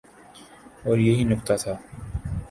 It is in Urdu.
اوریہی نکتہ تھا۔